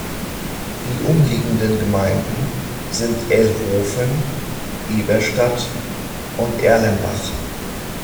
Die umliegenden Gemeinden sind Ellhofen, Eberstadt und Erlenbach.